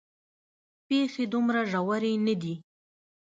پېښې دومره ژورې نه دي.